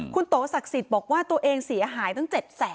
คุณโตสักศิษย์บอกว่าตัวเองเสียหายตั้ง๗๐๐๐๐๐